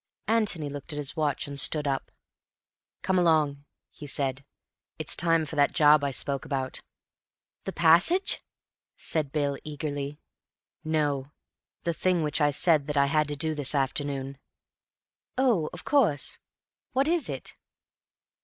Antony looked at his watch and stood up. "Come along," he said. "It's time for that job I spoke about." "The passage?" said Bill eagerly. "No; the thing which I said that I had to do this afternoon." "Oh, of course. What is it?"